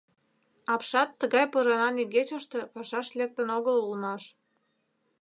Апшат тыгай поранан игечыште пашаш лектын огыл улмаш.